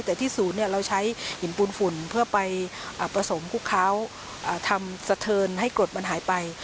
แต่ที่ศูนย์เราใช้หินปูนฝุ่นเพื่อไปผสมคุกเขาทำสะเทินให้กรดมันหายไป